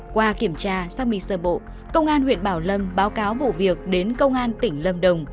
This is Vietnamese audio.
qua kiểm tra xác minh sơ bộ công an huyện bảo lâm báo cáo vụ việc đến công an tỉnh lâm đồng